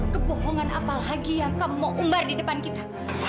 kebohongan apa lagi yang kamu umbar di depan kita